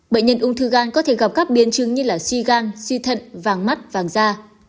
bệnh nhân ung thư gan có thể gặp các biến chứng như suy gan suy thận vàng mắt vàng da